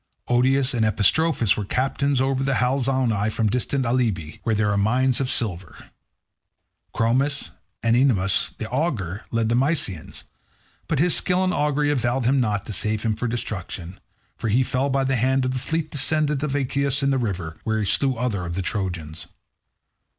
Odius and Epistrophus were captains over the Halizoni from distant Alybe, where there are mines of silver. Chromis, and Ennomus the augur, led the Mysians, but his skill in augury availed not to save him from destruction, for he fell by the hand of the fleet descendant of Aeacus in the river, where he slew others also of the Trojans.